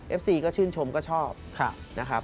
ซีก็ชื่นชมก็ชอบนะครับ